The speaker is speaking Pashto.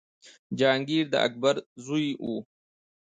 جهانګیر د اکبر زوی و.